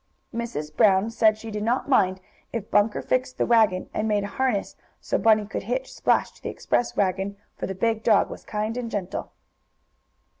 Mrs. Brown said she did not mind if Bunker fixed the wagon and made a harness so Bunny could hitch Splash to the express wagon, for the big dog was kind and gentle.